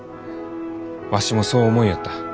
わしもそう思いよった。